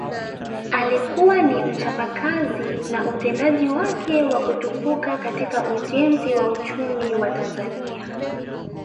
Alikuwa ni mchapakazi na utendaji wake wa kutukuka katika ujenzi wa uchumi wa Tanzania